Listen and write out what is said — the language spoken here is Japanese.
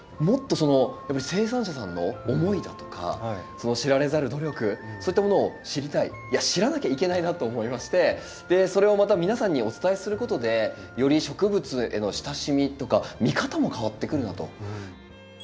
もっと生産者さんの思いだとかその知られざる努力そういったものを知りたいいや知らなきゃいけないなと思いましてでそれをまた皆さんにお伝えすることでより植物への親しみとか見方も変わってくるなと。